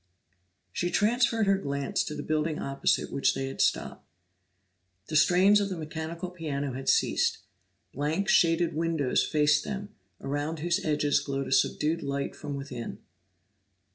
She transferred her glance to the building opposite which they had stopped. The strains of the mechanical piano had ceased; blank, shaded windows faced them, around whose edges glowed a subdued light from within.